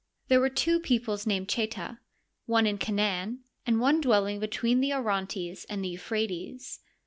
There were two peoples named Cheta, one in Canaan and one dwelling between the Orontes and the Euphrates.